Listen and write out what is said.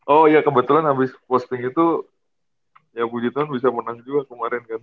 oh ya kebetulan abis posting itu ya bu jitwan bisa menang juga kemarin kan